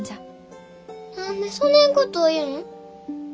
何でそねんことを言ん？